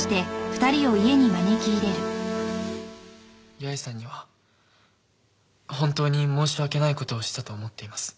八重さんには本当に申し訳ない事をしたと思っています。